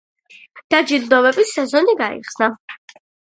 დაჯილდოების სეზონი გაიხსნა.